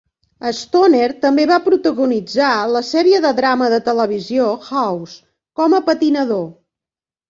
Stoner també va protagonitzar la sèrie de drama de televisió "House" com a patinador.